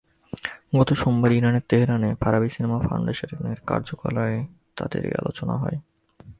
গত সোমবার ইরানের তেহরানে ফারাবি সিনেমা ফাউন্ডেশনের কার্যালয়ে তাঁদের এই আলোচনা হয়।